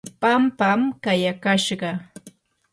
pampam kayakashqa.